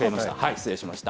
失礼しました。